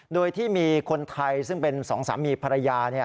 โดยที่มีคนไทยซึ่งเป็นสองสามีภรรยา